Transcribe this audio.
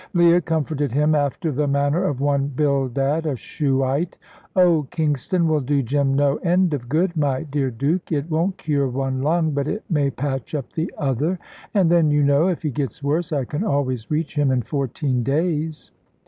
Leah comforted him after the manner of one Bildad, a Shuhite. "Oh, Kingston will do Jim no end of good, my dear Duke. It won't cure one lung, but it may patch up the other. And then, you know, if he gets worse, I can always reach him in fourteen days."